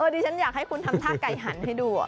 ดิฉันอยากให้คุณทำท่าไก่หันให้ดู